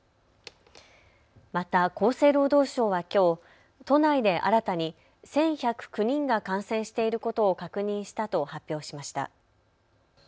また厚生労働省はきょう都内で新たに１１０９人が感染していることを確認したと発表しました。